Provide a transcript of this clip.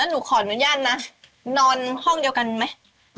หนูขออนุญาตนะนอนห้องเดียวกันไหม